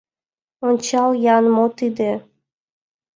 Ончал-ян, мо тиде?